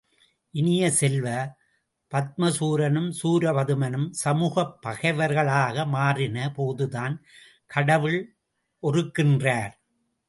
இனிய செல்வ, பத்மாசூரனும் சூரபதுமனும் சமூகப் பகைவர்களாக மாறின போதுதான் கடவுள் ஒறுக்கின்றார்!